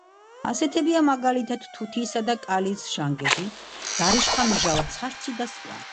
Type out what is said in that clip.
ასეთებია მაგალითად: თუთიისა და კალის ჟანგები, დარიშხან–მჟავა, ცარცი და სხვა.